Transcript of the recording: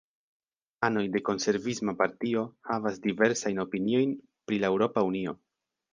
Anoj de Konservisma Partio havas diversajn opiniojn pri la Eŭropa Unio.